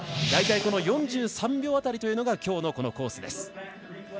大体、４３秒辺りというのが今日のこのコースです。